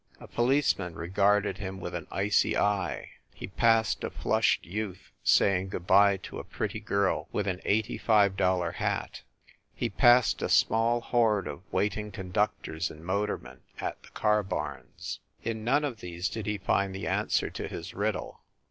A policeman re garded him with an icy eye. He passed a flushed youth saying good by to a pretty girl with an eighty five dollar hat. He passed a small horde of waiting conductors and motormen at the car barns. In none of these did he find the answer to his rid dle.